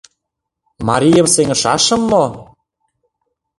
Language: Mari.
Марийым сеҥышашым мо?